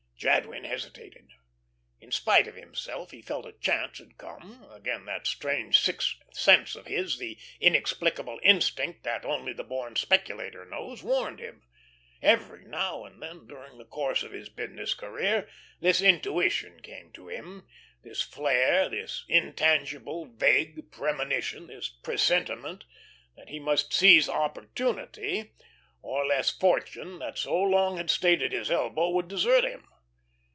Jadwin hesitated. In spite of himself he felt a Chance had come. Again that strange sixth sense of his, the inexplicable instinct, that only the born speculator knows, warned him. Every now and then during the course of his business career, this intuition came to him, this flair, this intangible, vague premonition, this presentiment that he must seize Opportunity or else Fortune, that so long had stayed at his elbow, would desert him.